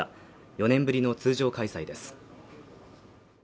４年ぶりの通常開催です